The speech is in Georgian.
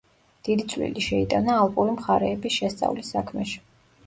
დიდი წვლილი შეიტანა ალპური მხარეების შესწავლის საქმეში.